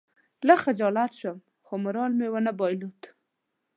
لږ خجالت شوم خو مورال مې ونه بایلود.